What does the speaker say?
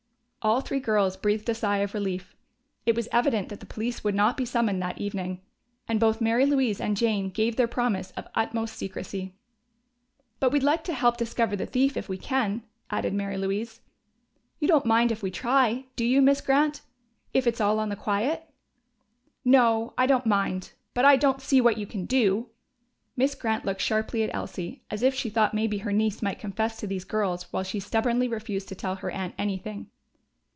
All three girls breathed a sigh of relief: it was evident that the police would not be summoned that evening. And both Mary Louise and Jane gave their promise of utmost secrecy. "But we'd like to help discover the thief, if we can," added Mary Louise. "You don't mind if we try, do you, Miss Grant if it's all on the quiet?" "No, I don't mind. But I don't see what you can do." Miss Grant looked sharply at Elsie, as if she thought maybe her niece might confess to these girls while she stubbornly refused to tell her aunt anything.